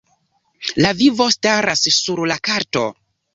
La vivo staras sur la karto.